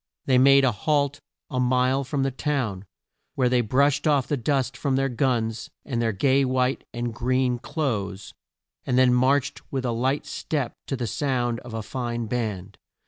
They made a halt a mile from the town, where they brushed off the dust from their guns, and their gay white and green clothes, and then marched with a light step to the sound of a fine band.